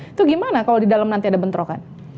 itu gimana kalau di dalam nanti ada bentrokan